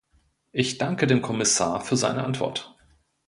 Ich danke dem Kommissar für seine Antwort.